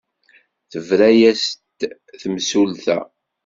Tebra-as-d temsulta.